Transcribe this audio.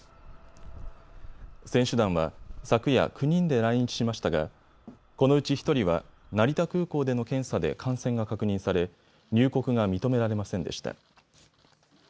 選手団は昨夜、９人で来日しましたがこのうち１人は成田空港での検査で感染が確認され入国が認められませんでした。